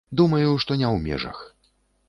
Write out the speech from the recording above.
Думаю, што не ў межах.